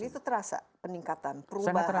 dan itu terasa peningkatan perubahan